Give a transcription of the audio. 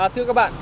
thưa các bạn